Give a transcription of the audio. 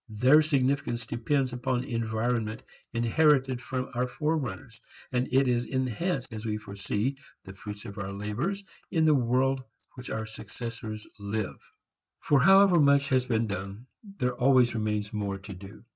Their significance depends upon the environment inherited from our forerunners, and it is enhanced as we foresee the fruits of our labors in the world in which our successors live. For however much has been done, there always remains more to do.